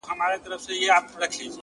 • په دې وروستیو ورځو کي مي ,